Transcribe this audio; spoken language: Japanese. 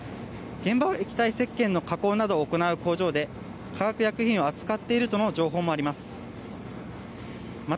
現場は液体せっけんの加工などを行う工場で化学薬品を扱っているとの情報もあります。